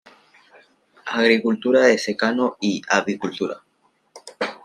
Agricultura de secano y avicultura.